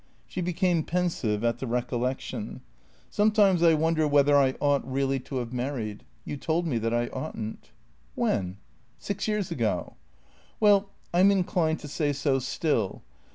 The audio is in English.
She became pensive at the recollection. " Sometimes I wonder whether I ought, really, to have mar ried. You told me that I oughtn't." "When?" " Six years ago." " Well — I 'm inclined to say so still.